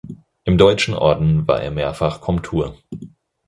Im Deutschen Orden war er mehrfach Komtur.